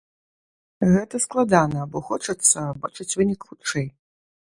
Гэта складана, бо хочацца бачыць вынік хутчэй.